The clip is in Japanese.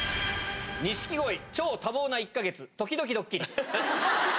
錦鯉超多忙な１か月、時々ドッキリ。